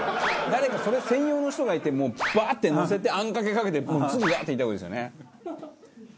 誰かそれ専用の人がいてもうブワッてのせてあんかけかけてすぐガーッていった方がいいですよね。